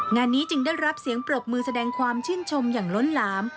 งานนี้จึงได้รับเสียงปรบมือแสดงความชื่นชมอย่างล้นหลาม